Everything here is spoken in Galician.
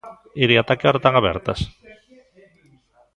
Iria, ata que hora están abertas?